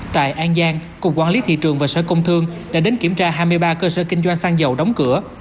tại an giang cục quản lý thị trường và sở công thương đã đến kiểm tra hai mươi ba cơ sở kinh doanh xăng dầu đóng cửa